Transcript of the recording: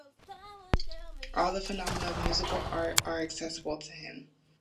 All the phenomena of musical art are accessible to him.